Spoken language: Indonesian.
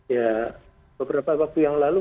ya beberapa waktu yang lalu